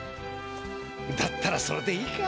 だったらそれでいいか。